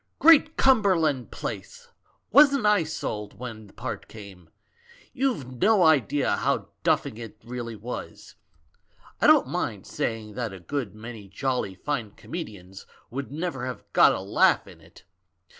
"Great Cumberland Place! wasn't I sold when the part came. You've no idea how duffing it really was. I don't mind saying that a good many jolly fine comedians would never have got a laugh in it.